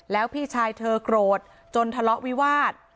แล้วพี่ชายเธอโกรธจนทะเลาะวิวาส